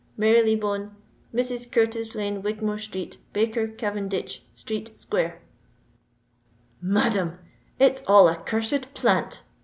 mary lee bone "Mrs. Kirtis lane wigmore strete baker cavenditch strete squair." "Madam, it's all a cursed plant!"